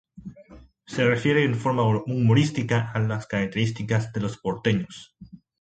Se refiere en forma humorística a las características de los porteños.